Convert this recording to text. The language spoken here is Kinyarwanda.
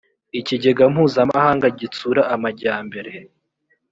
ikigega mpuzamahanga gitsura amajyambere